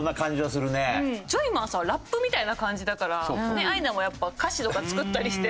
ジョイマンさんはラップみたいな感じだからアイナも歌詞とか作ったりして。